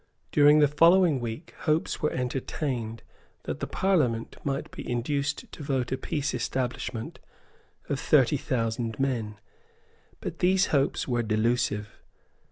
During the following week hopes were entertained that the Parliament might be induced to vote a peace establishment of thirty thousand men. But these hopes were delusive.